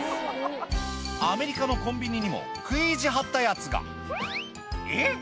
アメリカのコンビニにも食い意地張ったやつがえっ！